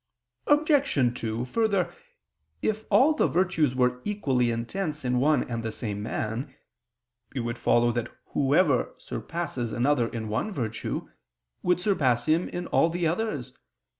Obj. 2: Further, if all the virtues were equally intense in one and the same man, it would follow that whoever surpasses another in one virtue, would surpass him in all the others.